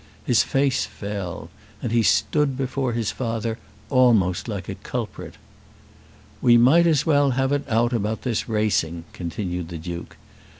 His face fell, and he stood before his father almost like a culprit. "We might as well have it out about this racing," continued the Duke.